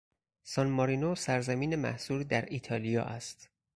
سانمارینو سرزمین محصوری در ایتالیا است.